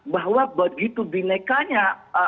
bahwa begitu binekanya